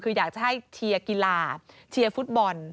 คืออยากจะให้เชียร์กีฬาเชียร์ฟุตบอล